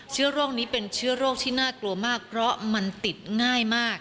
เชื้อโรคนี้เป็นเชื้อโรคที่น่ากลัวมากเพราะมันติดง่ายมาก